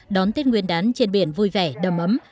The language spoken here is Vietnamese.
đón tết nguyên đán trên biển vui vẻ đầm ấm